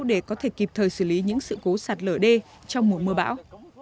để có thể kịp thời xử lý những sự cố sạt lở đê trong mùa mưa bão